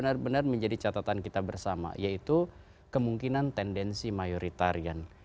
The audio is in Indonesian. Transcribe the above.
dan harus benar benar menjadi catatan kita bersama yaitu kemungkinan tendensi mayoritarian